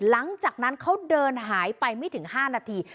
หลังจากนั้นเขาเดินหายไปไม่ถึง๕นาที